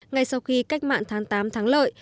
ngay sau khi cách mạng tháng tám thắng lợi